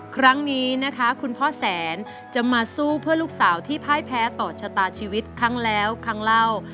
ครั้งนี้นะคะคุณพ่อแสนจะมาสู้เพื่อลูกสาวที่พ่ายแพ้ต่อชะตาชีวิตครั้งแล้วครั้งเล่า